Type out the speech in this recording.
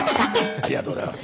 ありがとうございます！